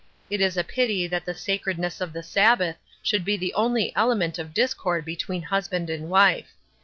It is a pity that the ' sacredness of the Sabbath ' should be the only element of discord between husband and wife.